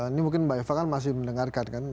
ini mungkin mbak eva kan masih mendengarkan kan